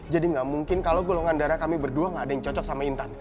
jadi gak mungkin kalau golongan darah kami berdua gak ada yang cocok sama intan